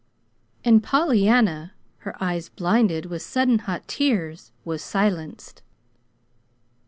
And Pollyanna, her eyes blinded with sudden hot tears, was silenced.